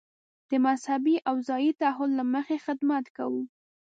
د مذهبي او ځايي تعهد له مخې خدمت کوو.